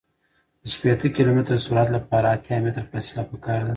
د شپیته کیلومتره سرعت لپاره اتیا متره فاصله پکار ده